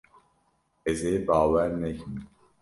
Ez ê bawer nekim.